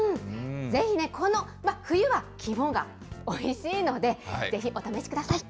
ぜひね、この冬は肝がおいしいので、ぜひお試しください。